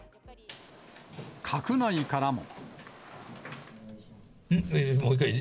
閣内からも。